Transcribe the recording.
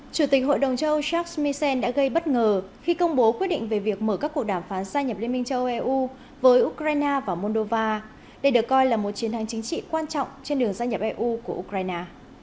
chủ tịch hội đồng châu âu charles misen đã gây bất ngờ khi công bố quyết định về việc mở các cuộc đàm phán gia nhập liên minh châu âu eu với ukraine và moldova đây được coi là một chiến thắng chính trị quan trọng trên đường gia nhập eu của ukraine